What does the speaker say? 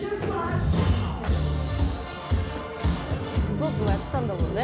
ロックもやってたんだもんね？